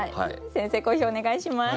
先生講評お願いします。